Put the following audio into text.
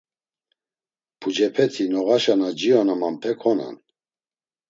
Pucepeti noğaşa na cionamanpe konan.